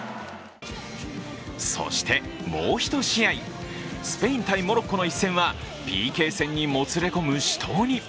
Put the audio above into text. そして、もうひと試合、スペイン対モロッコの一戦はＰＫ戦にもつれ込む死闘に。